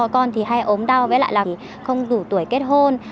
con thì hay ốm đau với lại là không đủ tuổi kết hôn